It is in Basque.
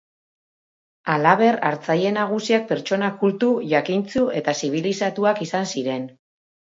Halaber, hartzaile nagusiak pertsona kultu, jakintsu eta zibilizatuak izan ziren.